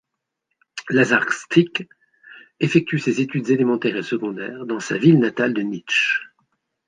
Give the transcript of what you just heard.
Lazar Krstić effectue ses études élémentaires et secondaires dans sa ville natale de Niš.